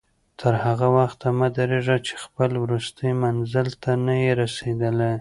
تر هغه وخته مه درېږه چې خپل وروستي منزل ته نه یې رسېدلی.